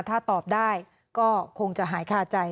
ถ้าตอบได้ก็คงจะหายคาใจ